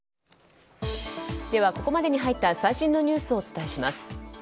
ここまでに入った最新のニュースをお伝えします。